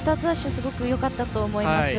すごくよかったと思います。